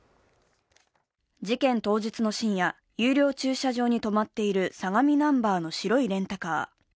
事件当日の深夜、有料駐車場に止まっている相模ナンバーの白いレンタカー。